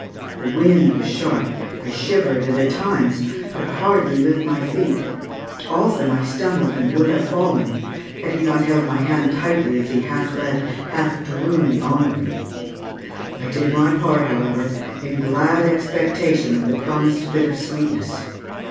The wind was sharp. I shivered, and at times could hardly lift my feet; often I stumbled and would have fallen had he not held my hand tightly, as he half led, half drew me onward. I did my part, however, in glad expectation of the promised bit of sweetness.